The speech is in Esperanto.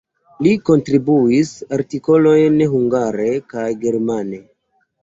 Li kontribuis artikolojn hungare kaj germane.